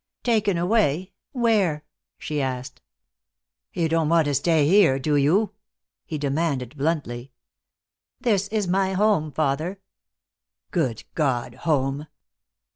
"Taken away? Where?" she asked. "You don't want to stay here, do you?" he demanded bluntly. "This is my home, father." "Good God, home!